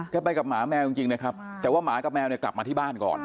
ไปกับหมาแมวจริงนะครับแต่ว่าหมากับแมวเนี่ยกลับมาที่บ้านก่อน